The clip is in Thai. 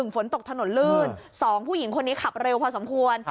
ฝนตกถนนลื่น๒ผู้หญิงคนนี้ขับเร็วพอสมควร